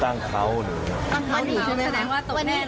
ตั้งเขาหนึ่งแสดงว่าตกแน่นอน